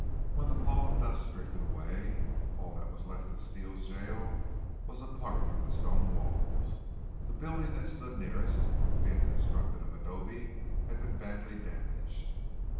When the pall of dust drifted away all that was left of Steele's jail was a part of the stone walls. The building that stood nearest, being constructed of adobe, had been badly damaged.